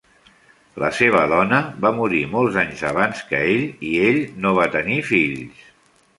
La seva dona va morir molts anys abans que ell i ell no va tenir fills.